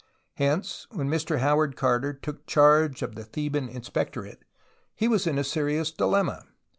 Hence when Mr Howard Carter 26 TUTANKHAMEN took charge of the Theban inspectorate he was in a serious dilemma.